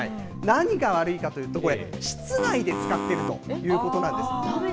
何が悪いかというと、これが、室内で使っているということなんです。